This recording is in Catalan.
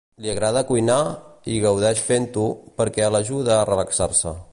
Li agrada cuinar, i gaudeix fent-ho perquè l'ajuda a relaxar-se.